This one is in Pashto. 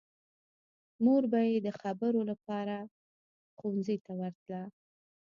مور به یې د خبرو لپاره ښوونځي ته ورتله